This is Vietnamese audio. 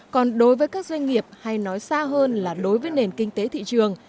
còn đối với các doanh nghiệp hay nói xa hơn là đối với nền kinh tế thị trường